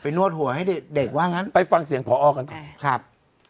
นวดหัวให้เด็กเด็กว่างั้นไปฟังเสียงพอกันก่อนครับ